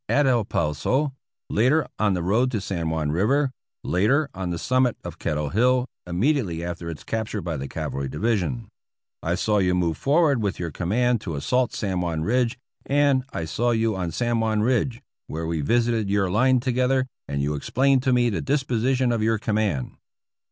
at El Poso ; later, on the road to San Juan River ; later, on the summit of Kettle Hill, immedi ately after its capture by the Cavalry Division. I saw you 314 APPENDIX F move forward with your command to assault San Juan Ridge, and I saw you on San Juan Ridge, where we vis ited your line together, and you explained to me the dispo sition of your command.